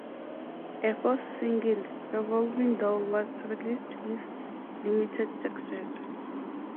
A fourth single, "Revolving Door", was released with limited success.